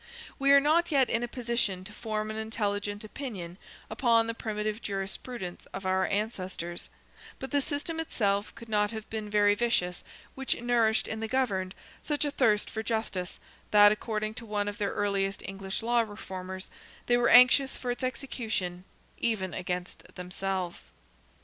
We are not yet in a position to form an intelligent opinion upon the primitive jurisprudence of our ancestors, but the system itself could not have been very vicious which nourished in the governed such a thirst for justice, that, according to one of their earliest English law reformers, they were anxious for its execution, even against themselves.